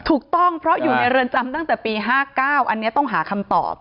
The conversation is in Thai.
ถูกต้องเพราะอยู่ในเรือนจำตั้งแต่ปี๕๙อันนี้ต้องหาคำตอบ